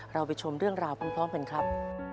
เราไปชมเรื่องราวพร้อมกันครับ